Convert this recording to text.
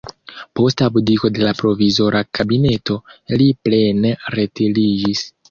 Post abdiko de la provizora kabineto li plene retiriĝis.